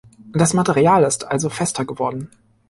Das Material ist also fester geworden.